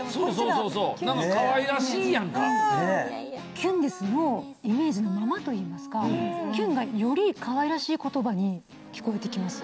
『きゅんです』のイメージのままといいますか「きゅん」がよりかわいらしい言葉に聞こえて来ます。